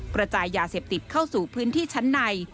กระจายยาเสพติดเข้าสู่พื้นที่ชั้นใน